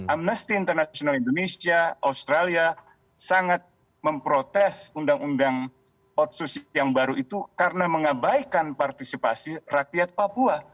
amnesty international indonesia australia sangat memprotes undang undang otsus yang baru itu karena mengabaikan partisipasi rakyat papua